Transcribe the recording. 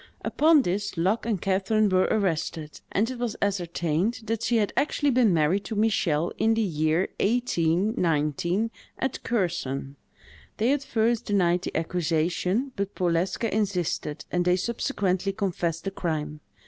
Upon this, Luck and Catherine were arrested; and it was ascertained that she had actually been married to Michel in the year 1819, at Kherson. They at first denied the accusation, but Powleska insisted, and they subsequently confessed the crime.